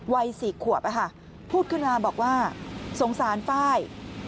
วัย๔ขวบพูดขึ้นมาบอกว่าสงสารไฟล์